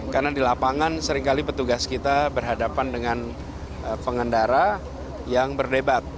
karena di lapangan seringkali petugas kita berhadapan dengan pengendara yang berdebat